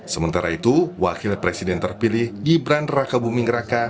sementara itu wakil presiden terpilih gibran raka buming raka